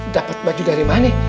dapet baju dari mana